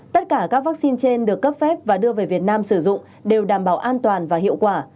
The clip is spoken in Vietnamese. tất cả các vaccine trên được cấp phép và đưa về việt nam sử dụng đều đảm bảo an toàn và hiệu quả